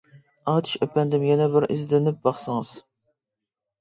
ئاتۇش ئەپەندىم يەنە بىر ئىزدىنىپ باقسىڭىز.